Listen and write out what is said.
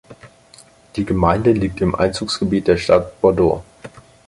Die Gemeinde liegt im Einzugsgebiet der Stadt Bordeaux.